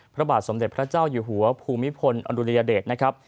พระบาทสมเด็จพระเจ้าอยู่หัวภูมิพลอดุลยเดชนะครับ